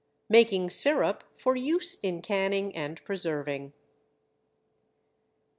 MAKING SIRUP FOR USE IN CANNING AND PRESERVING.